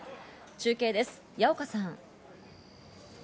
中継です、矢岡さん。